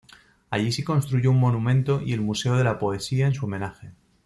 Allí se construyó un monumento y el museo de la poesía en su homenaje.